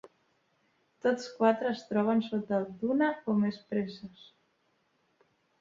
Tots quatre es troben sota d"una o més preses.